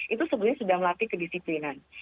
itu sebenarnya sudah melatih kedisiplinan